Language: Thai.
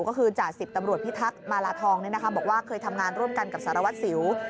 ก็คือจ่าสิบตำรวจพิทักษ์มาลาทองบอกว่าเคยทำงานร่วมกันกับสารวัตรสิว